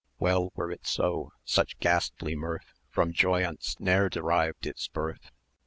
Well were it so such ghastly mirth From joyaunce ne'er derived its birth.